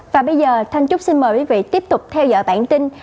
và bây giờ thanh trúc xin mời quý vị tiếp tục theo dõi bản tin